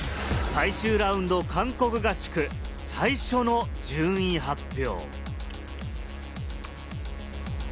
最終ラウンドを韓国合宿、最初の順位発表。